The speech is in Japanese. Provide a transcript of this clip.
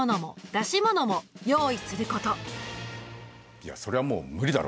いやそりゃもう無理だろ。